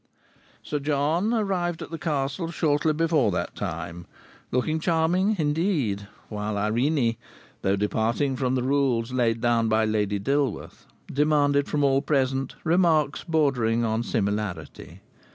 Sir John arrived at the Castle shortly before that time, looking charming indeed, whilst Irene, though departing from the rules laid down by Lady Dilworth, demanded from all present remarks bordering on similarity.